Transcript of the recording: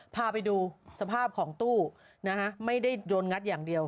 พาไปดูสภาพของตู้นะฮะไม่ได้โดนงัดอย่างเดียว